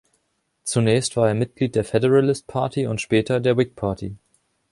Zunächst war er Mitglied der Federalist Party und später der Whig Party.